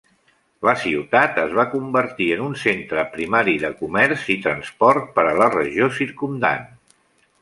La ciutat es va convertir en un centre primari de comerç i transport per a la regió circumdant.